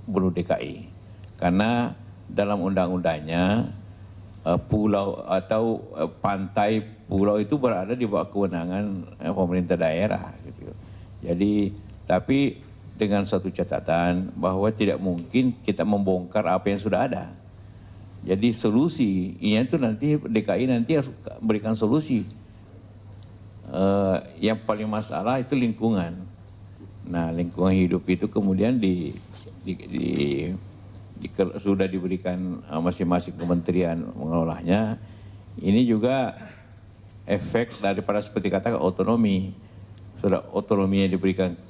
wapres juga menegaskan perialan reklamasi teluk jakarta pemerintah pusat hanya mengarahkan secara umum lantaran pemerintah daerah telah diberi kewenangan melalui otonomi daerah